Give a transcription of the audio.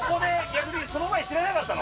逆にその前知らなかったの？